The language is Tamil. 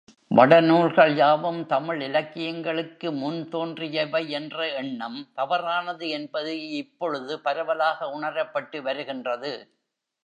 வடநூல்கள் யாவும் தமிழ் இலக்கியங்களுக்கு முன் தோன்றியவையென்ற எண்ணம் தவறானது என்பது இப்பொழுது பரவலாக உணரப்பட்டு வருகின்றது.